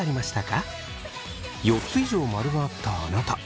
４つ以上○があったあなた。